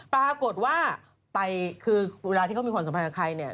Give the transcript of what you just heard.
ปรากฏว่าไปคือเวลาที่เขามีความสัมพันธ์กับใครเนี่ย